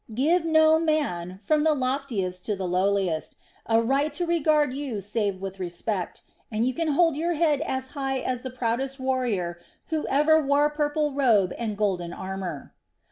"Give no man, from the loftiest to the lowliest, a right to regard you save with respect, and you can hold your head as high as the proudest warrior who ever wore purple robe and golden armor."